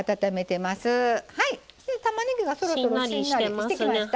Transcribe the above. たまねぎがそろそろしんなりしてきました？